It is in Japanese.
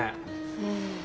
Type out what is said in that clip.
うん。